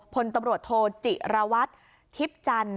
พลตำรวจโทจิรวททิพจัน